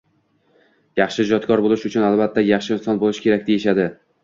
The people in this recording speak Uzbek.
— Yaxshi ijodkor bo‘lish uchun, albatta, yaxshi inson bo‘lish kerak deyishadi.